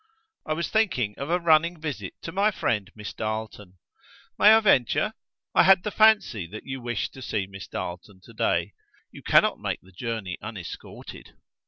"I was thinking of a running visit to my friend Miss Darleton." "May I venture? I had the fancy that you wished to see Miss Darleton to day. You cannot make the journey unescorted."